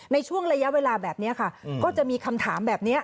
ในช่วงระยะเวลาแบบนี้ค่ะก็จะมีคำถามแบบนี้